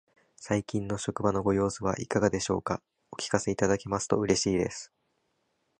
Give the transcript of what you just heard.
最近の職場のご様子はいかがでしょうか。お聞かせいただけますと嬉しいです。